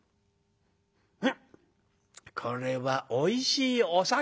うんこれはおいしいお酒だ」。